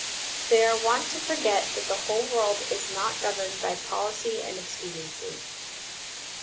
They are wont to forget that the world is not governed by policy and expediency.